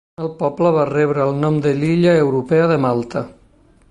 El poble va rebre el nom de l'illa europea de Malta.